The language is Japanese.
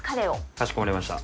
かしこまりました。